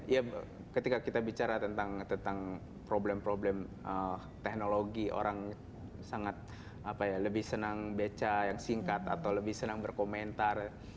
ya ketika kita bicara tentang problem problem teknologi orang sangat lebih senang beca yang singkat atau lebih senang berkomentar